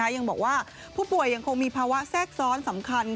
ยังบอกว่าผู้ป่วยยังคงมีภาวะแทรกซ้อนสำคัญ